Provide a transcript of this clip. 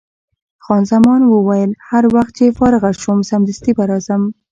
خان زمان وویل: هر وخت چې فارغه شوم، سمدستي به راځم.